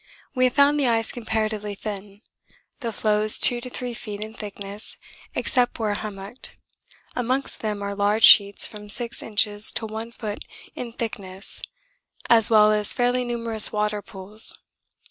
We have found the ice comparatively thin, the floes 2 to 3 feet in thickness except where hummocked; amongst them are large sheets from 6 inches to 1 foot in thickness as well as fairly numerous water pools.